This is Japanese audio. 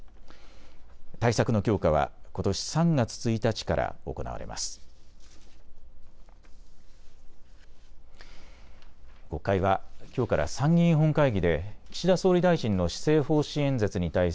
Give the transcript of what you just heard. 対策の強化はことし３月１日から行われます。